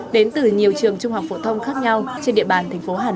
đến từ nhiều trường trung học phổ thông khác nhau trên địa bàn thành phố hà nội